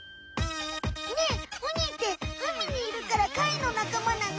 ねえウニって海にいるから貝のなかまなの？